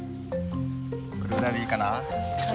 これぐらいでいいかな？